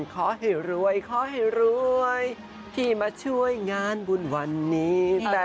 ขอให้รวยขอให้รวยที่มาช่วยงานบุญวันนี้